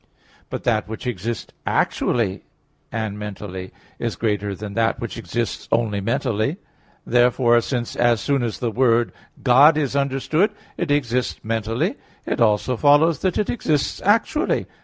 But that which exists actually and mentally is greater than that which exists only mentally. Therefore, since as soon as the word "God" is understood it exists mentally, it also follows that it exists actually.